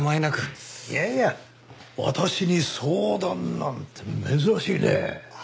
いやいや私に相談なんて珍しいね。